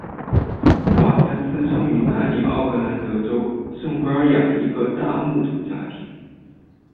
瓦加斯生于南里奥格兰德州圣博尔雅一个大牧主家庭。